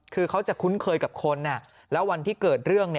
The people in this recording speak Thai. คือเขาจะคุ้นเคยกับคนแล้ววันที่เกิดเรื่อง